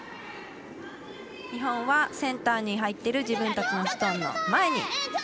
日本はセンターに入ってる自分たちのストーンの前に。